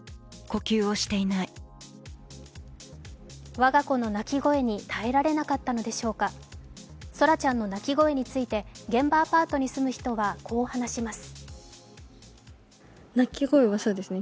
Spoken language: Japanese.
我が子の泣き声に耐えられなかったのでしょうか、奏良ちゃんの泣き声について、現場アパートに住む人はこう話します。